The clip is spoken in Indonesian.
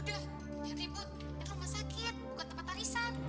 jangan ribut ini rumah sakit bukan tempat tarisan